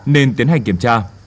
nên tiến hành kiểm tra